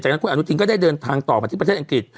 จากนั้นคุณอนุทินก็ได้เดินทางต่อมาที่ประเทศอังกฤษ